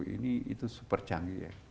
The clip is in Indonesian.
satu ratus empat puluh ini itu super canggih ya